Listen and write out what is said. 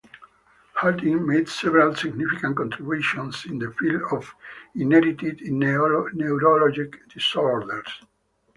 Harding made several significant contributions in the field of inherited neurologic disorders.